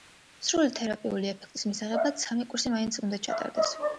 სრული თერაპიული ეფექტის მისაღებად სამი კურსი მაინც უნდა ჩატარდეს.